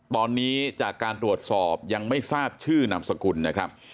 ตอนนี้จากการตรวจสอบยังไม่ทราบชื่อนามสกุลนะครับ